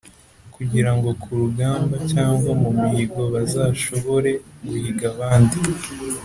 kugira ngo ku rugamba cyangwa mu muhigo bazashobore guhiga abandi.